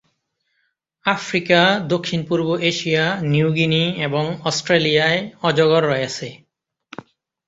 Africa, দক্ষিণ-পূর্ব Asia, New Guinea এবং অস্ট্রেলিয়ায় অজগর রয়েছে।